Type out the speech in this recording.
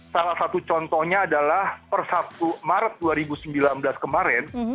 salah satu contohnya adalah per satu maret dua ribu sembilan belas kemarin